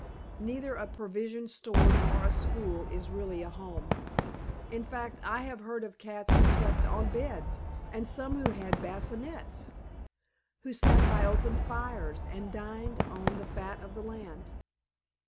Neither a provision store nor a school is really a home. In fact I have heard of cats who slept on beds and some who had bassinets; who sat by open fires and dined on the fat of the land.